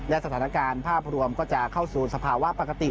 และสถานการณ์ภาพรวมก็จะเข้าสู่สภาวะปกติ